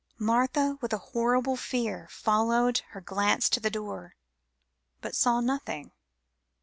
Martha, with a horrible fear, followed her glance to the door, but saw nothing.